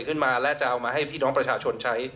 ขึ้นมาและจะเอามาให้พี่น้องประชาชนใช้